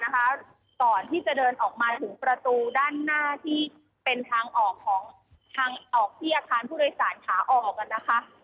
ก่อนที่จะเดินออกมาถึงประตูด้านหน้าที่เป็นทางออกของทางออกที่อาคารผู้โดยสารขาออกนะคะ